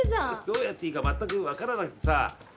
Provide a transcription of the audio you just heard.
どうやっていいかまったくわからなくてさ。